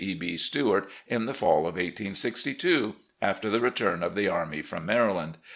E. B. Stuart in the fall of 1862 — ^after the return of the army from Maryland.